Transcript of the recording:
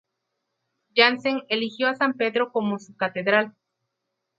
Janssen eligió a San Pedro como su catedral.